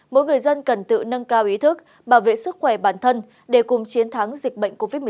mỗi người dân cần tự nâng cao ý thức bảo vệ sức khỏe bản thân để cùng chiến thắng dịch bệnh covid một mươi chín